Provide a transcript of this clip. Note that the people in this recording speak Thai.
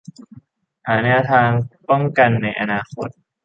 หาแนวทางป้องกันในอนาคต